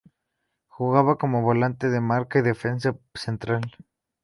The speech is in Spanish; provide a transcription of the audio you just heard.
Jugaba como volante de marca y defensa central.